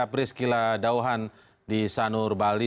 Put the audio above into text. priscila dauhan di sanur bali